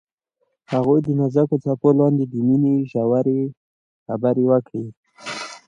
هغوی د نازک څپو لاندې د مینې ژورې خبرې وکړې.